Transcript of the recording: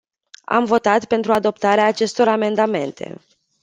Am votat pentru adoptarea acestor amendamente.